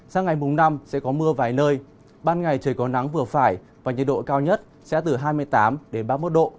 sáng ngày mùng năm sẽ có mưa vài nơi ban ngày trời có nắng vừa phải và nhiệt độ cao nhất sẽ từ hai mươi tám đến ba mươi một độ